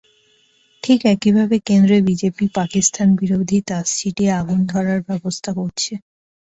ঠিক একইভাবে কেন্দ্রে বিজেপি পাকিস্তানবিরোধী তাস ছিটিয়ে আগুন ধরার ব্যবস্থা করছে।